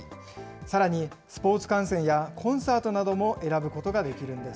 さらにスポーツ観戦やコンサートなども選ぶことができるんです。